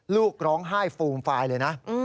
ลูกร้องไห้ฟูมฟายเลยนะ